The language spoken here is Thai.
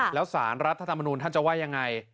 แล้วสารรัฐธรรมนูลท่านจะว่ายังไง